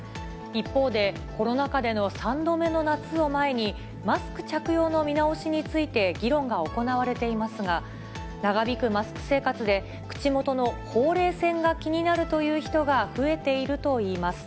一方で、コロナ禍での３度目の夏を前に、マスク着用の見直しについて議論が行われていますが、長引くマスク生活で口元のほうれい線が気になるという人が増えているといいます。